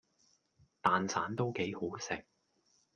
蛋散都幾好食